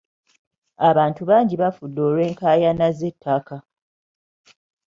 Abantu bangi bafudde olw'enkaayana z'ettaka.